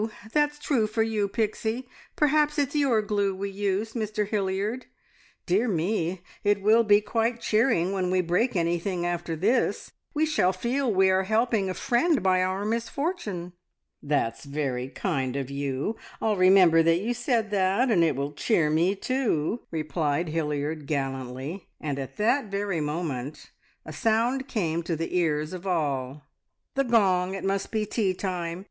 That's true for you, Pixie. Perhaps it's your glue we use, Mr Hilliard. Dear me, it will be quite cheering when we break anything after this! We shall feel we are helping a friend by our misfortune." "That's very kind of you. I'll remember that you said that, and it will cheer me too," replied Hilliard gallantly, and at that very moment a sound came to the ears of all. "The gong! It must be tea time.